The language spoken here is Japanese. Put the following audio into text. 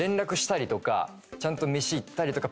ちゃんと飯行ったりとか。